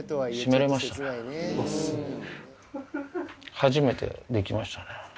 初めてできましたね。